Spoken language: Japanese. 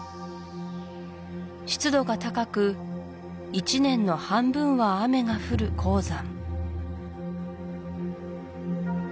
湿度が高く１年の半分は雨が降る黄山